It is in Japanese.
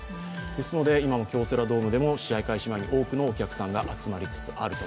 ですので今の京セラドームでもたくさんのお客さんが集まりつつあると。